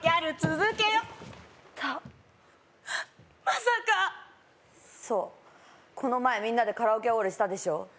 まさかそうこの前みんなでカラオケオールしたでしょ？